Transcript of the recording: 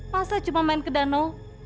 masa cuma main ke danau